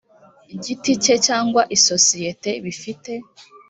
giti cye cyangwa isosiyete bifite